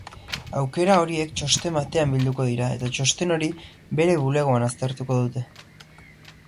Aukera horiek txosten batean bilduko dira eta txosten hori bere bulegoan aztertuko dute.